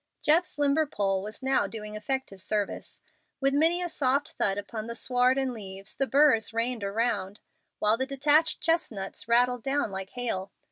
Jeff's limber pole was now doing effective service. With many a soft thud upon the sward and leaves the burrs rained around, while the detached chestnuts rattled down like hail.